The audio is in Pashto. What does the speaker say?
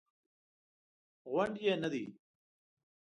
غونډ یې نه دی.